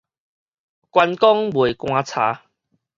關公賣棺柴